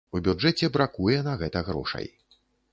У бюджэце бракуе на гэта грошай.